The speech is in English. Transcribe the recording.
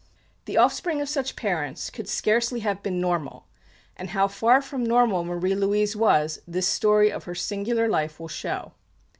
The offspring of such parents could scarcely have been normal; and how far from normal Marie Louise was, this story of her singular life will show.